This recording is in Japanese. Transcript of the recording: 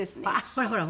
ほらほら！